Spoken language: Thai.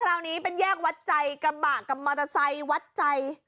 คราวนี้เป็นแยกวัดใจกระบะกับมอเตอร์ไซค์วัดใจ